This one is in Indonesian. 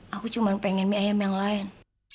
aku cuma pengen mie ayam yang lain